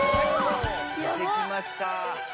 出てきました。